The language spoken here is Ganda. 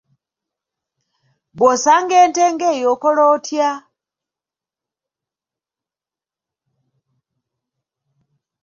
Bw'osanga ente ng'eyo okola otya?